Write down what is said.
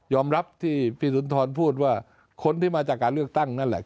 รับที่พี่สุนทรพูดว่าคนที่มาจากการเลือกตั้งนั่นแหละ